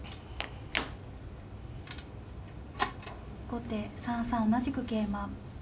後手３三同じく桂馬。